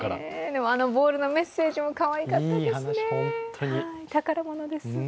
でも、あのボールのメッセージもかわいかったですね。